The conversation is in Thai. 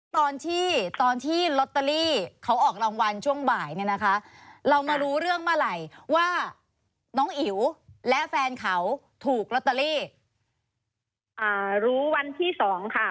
ตอนที่ตอนที่ลอตเตอรี่เขาออกรางวัลช่วงบ่ายเนี่ยนะคะ